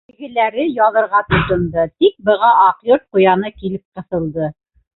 Тегеләре яҙырға тотондо, тик быға Аҡ Йорт ҡуяны килеп ҡыҫылды.